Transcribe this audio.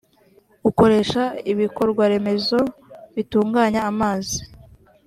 ukoresha ibikorwaremezo bitunganya amazi